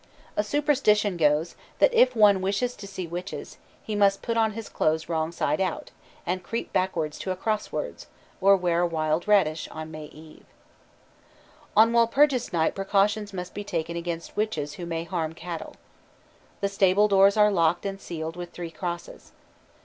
A superstition goes, that if one wishes to see witches, he must put on his clothes wrong side out, and creep backward to a crossroads, or wear wild radish, on May Eve. On Walpurgis Night precaution must be taken against witches who may harm cattle. The stable doors are locked and sealed with three crosses.